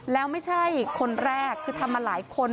แล้วไม่ใช่คนแรกคือทำมาหลายคน